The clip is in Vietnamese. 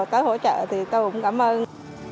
tới hỗ trợ thì tôi cũng cảm ơn